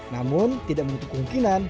namun tidak menutup kemungkinan